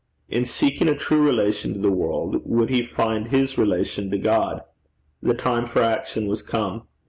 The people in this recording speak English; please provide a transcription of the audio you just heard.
In seeking a true relation to the world, would he find his relation to God? The time for action was come.